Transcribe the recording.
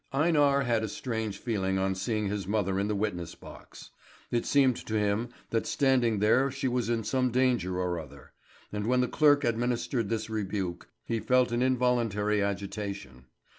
Einar had a strange feeling on seeing his mother in the witness box. It seemed to him that standing there she was in some danger or other; and when the clerk administered this rebuke, he felt an involuntary agitation.